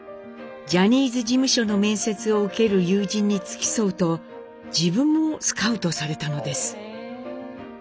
ジャニーズ事務所の面接を受ける友人に付き添うと自分もスカウトされたのです。